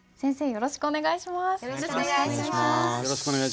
よろしくお願いします。